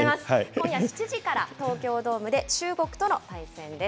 今夜７時から東京ドームで中国との対戦です。